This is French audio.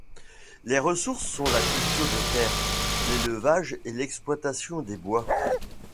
Les ressources sont la culture des terres, l'élevage et l'exploitation des bois.